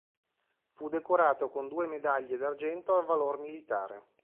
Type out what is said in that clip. Fu decorato con due medaglie d'argento al valor militare.